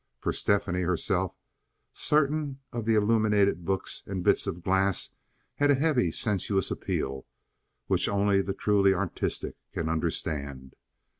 For Stephanie herself certain of the illuminated books and bits of glass had a heavy, sensuous appeal, which only the truly artistic can understand.